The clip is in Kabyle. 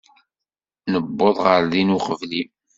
Nuweḍ ɣer din uqbel-im.